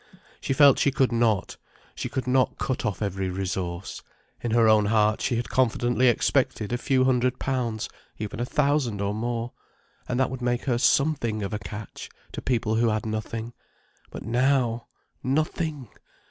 She felt she could not, she could not cut off every resource. In her own heart she had confidently expected a few hundred pounds: even a thousand or more. And that would make her something of a catch, to people who had nothing. But now!—nothing!